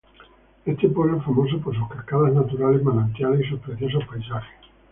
Este pueblo es famoso por sus cascadas naturales, manantiales y sus preciosos paisajes.